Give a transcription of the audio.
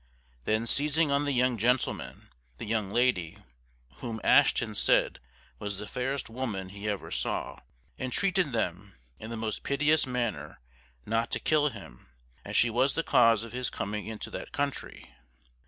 Then seizing on the young gentleman, the young lady (whom Ashton said was the fairest woman he ever saw) entreated them, in the most piteous manner, not to kill him, as she was the cause of his coming into that country.